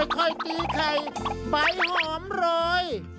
ค่อยตีไข่ไปหอมรอย